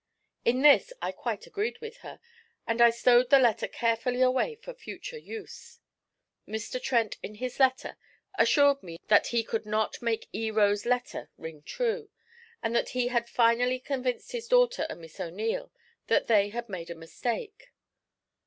In this I quite agreed with her, and I stowed the letter carefully away for future use. Mr. Trent in his letter assured me that he could not make E. Roe's letter ring true, and that he had finally convinced his daughter and Miss O'Neil that they had made a mistake.